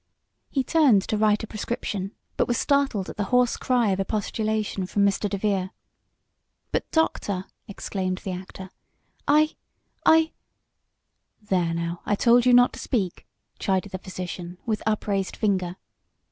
He turned to write a prescription, but was startled at the hoarse cry of expostulation from Mr. DeVere. "But, doctor!" exclaimed the actor, "I I " "There, now, I told you not to speak!" chided the physician, with upraised finger.